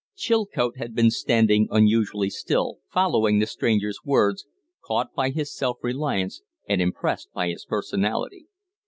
Chilcote had been standing unusually still, following the stranger's words caught by his self reliance and impressed by his personality.